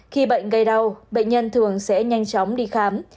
khi bệnh gây đau bệnh nhân thường sẽ nhanh chóng đi khám